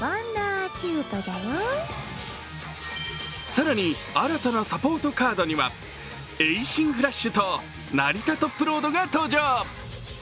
更に、新たなサポートカードにはエイシンフラッシュとナリタトップロードが登場。